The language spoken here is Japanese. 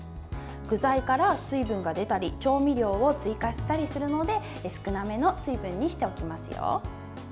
具材から水分が出たり調味料を追加したりするので少なめの水分にしておきますよ。